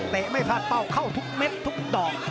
ไม่พลาดเป้าเข้าทุกเม็ดทุกดอก